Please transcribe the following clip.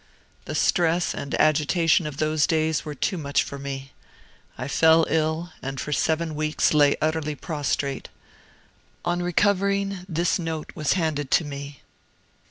"The stress and agitation of those days were too much for me. I fell ill, and for seven weeks lay utterly prostrate. On recovering, this note was handed to me.